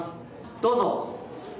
どうぞ。